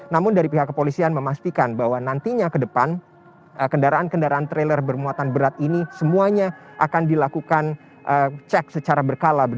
namun dari pihak kepolisian memastikan bahwa nantinya ke depan kendaraan kendaraan trailer bermuatan berat ini semuanya akan dilakukan cek secara berkala